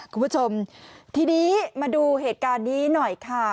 คุณผู้ชมทีนี้มาดูเหตุการณ์นี้หน่อยค่ะ